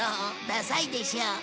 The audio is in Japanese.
ダサいでしょ？